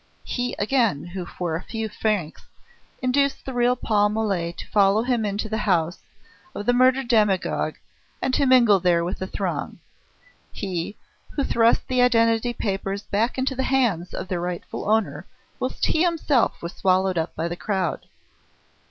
He again who for a few francs induced the real Paul Mole to follow him into the house of the murdered demagogue and to mingle there with the throng. He who thrust the identity papers back into the hands of their rightful owner whilst he himself was swallowed up by the crowd.